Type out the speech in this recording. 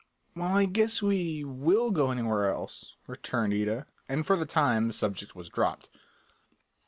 "Well, I guess we will go anywhere else," returned Ida, and for the time the subject was dropped.